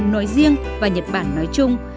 nói riêng và nhật bản nói chung